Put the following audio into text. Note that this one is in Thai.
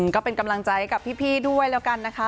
ก็เป็นกำลังใจกับพี่ด้วยแล้วกันนะคะ